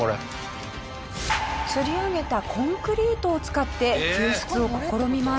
つり上げたコンクリートを使って救出を試みます。